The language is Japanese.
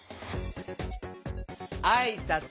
あいさつ